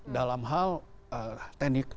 dalam hal teknik